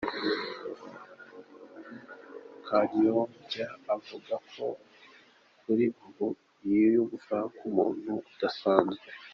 Kanyombya avuga ko kuri ubu yiyumva nk’umuntu udasanzwe.